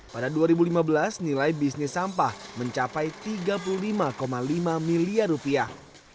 pada dua ribu lima belas nilai bisnis sampah mencapai tiga puluh lima lima miliar rupiah